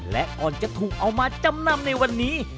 และก่อนจะถูกเอามาจำนำในวันนี้